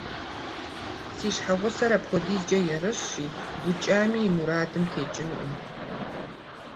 Си щхьэгъусэр апхуэдизкӏэ ерыщщи, букӀами и мурадым текӀынкъым.